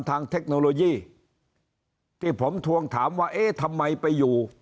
เทคโนโลยีที่ผมทวงถามว่าเอ๊ะทำไมไปอยู่